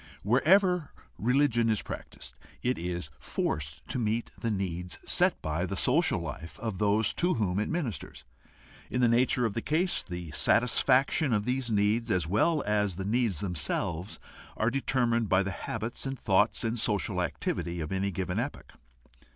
Wherever religion is practiced, it is forced to meet the needs set by the social life of those to whom it ministers. In the nature of the case, the satisfaction of these needs, as well as the needs themselves, are determined by the habits and thought and social activity of any given epoch.